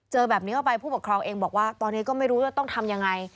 เจอแบบนี้เข้าไปผู้ปกครองเองบอกว่าตอนนี้ก็ไม่รู้จะต้องทำยังไง